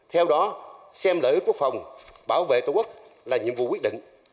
theo đó xem lợi ích quốc phòng bảo vệ tổ quốc là nhiệm vụ quyết định